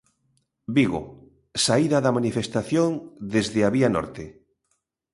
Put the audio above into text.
Vigo: Saída da manifestación desde a Vía Norte.